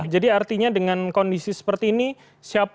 jadi artinya dengan kondisi seperti ini